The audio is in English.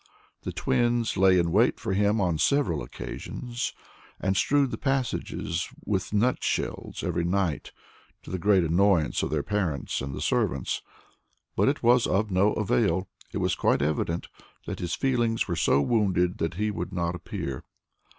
The twins lay in wait for him on several occasions, and strewed the passages with nutshells every night to the great annoyance of their parents and the servants, but it was of no avail. It was quite evident that his feelings were so wounded that he would not appear.